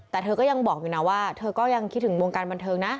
แต่เธอก็ยังบอกอยู่นะว่าเธอก็ยังคิดถึงวงการบันเทิงนะ